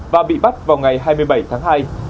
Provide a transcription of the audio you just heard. và bị bắt vào ngày hai mươi bảy tháng hai